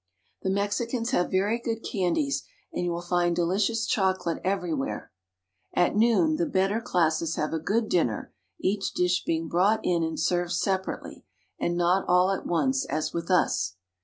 The Mexicans have very good candies, and you will find delicious chocolate everywhere. At noon the better classes have a good dinner, each dish being brought in and served separately, and not all at once as with us.